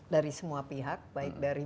dari semua pihak baik dari